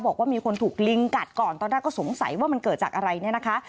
บอกว่ามีคนถูกลิงกัดก่อนตอนแรกก็สงสัยว่ามันเกิดจากอะไรเนี่ยนะคะ